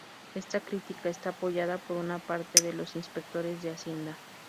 Esta crítica está apoyada por una parte de los inspectores de Hacienda.